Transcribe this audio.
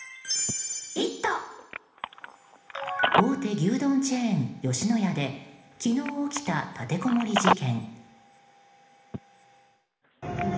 大手牛丼チェーン吉野家で昨日起きた立てこもり事件。